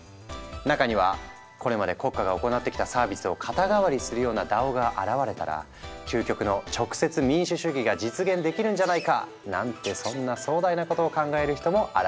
中にはこれまで国家が行ってきたサービスを肩代わりするようなＤＡＯが現れたら「究極の直接民主主義が実現できるんじゃないか」なんてそんな壮大なことを考える人も現れた。